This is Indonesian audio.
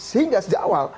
sehingga sejak awal